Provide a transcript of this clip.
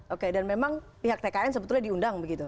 oke dan memang pihak tkn sebetulnya diundang begitu